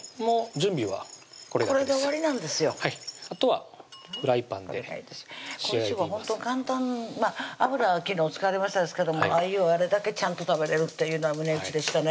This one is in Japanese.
今週はほんとに簡単油は昨日使われましたですけどあゆをあれだけちゃんと食べれるっていうのは値打ちでしたね